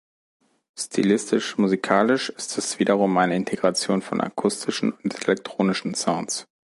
Stilistisch-musikalisch ist es wiederum eine Integration von akustischen und elektronischen Sounds.